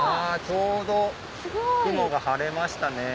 ちょうど雲が晴れましたね。